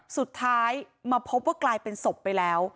สุดท้ายมาพบว่ากลายเป็นศพไปแล้ว